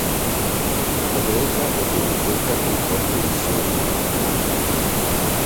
In età greca ebbe una zecca con proprie emissioni monetali.